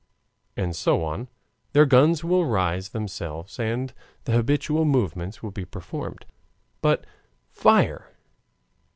and so on, their guns will rise of themselves and the habitual movements will be performed. But "Fire!"